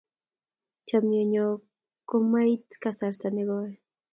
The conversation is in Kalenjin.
Chomnyet nyo komaib kasarta nekoi